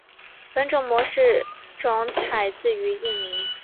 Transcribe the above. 本种模式种采自于印尼。